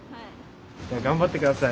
頑張って下さい。